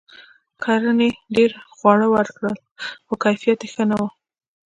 کرنې ډیر خواړه ورکړل؛ خو کیفیت یې ښه نه و.